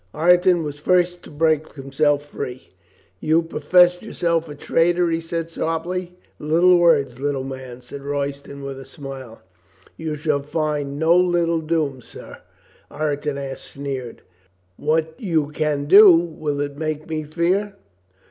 ... Ireton was first to break himself free. ''You pro fess yourself traitor?" he said sharply. "Little words, little man," said Royston with a smile. "You shall find no little doom, sirrah," Ireton sneered. "What you can do, will it make me fear?"